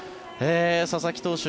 佐々木投手